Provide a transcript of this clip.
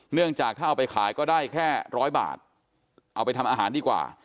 เนื่องจากถ้าเอาไปขายก็ได้แค่ร้อยบาทเอาไปทำอาหารดีกว่า